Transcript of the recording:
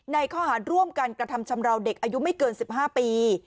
ในข้อหารร่วมกันกระทำชำราวเด็กอายุไม่เกิน๑๕ปี